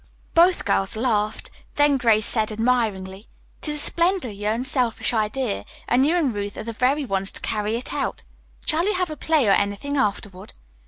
Both girls laughed. Then Grace said admiringly: "It is a splendidly unselfish idea, and you and Ruth are the very ones to carry it out. Shall you have a play or anything afterward?"